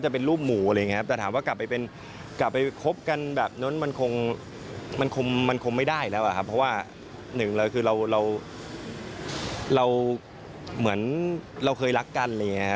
เพราะว่าหนึ่งเลยคือเราเหมือนเราเคยรักกัน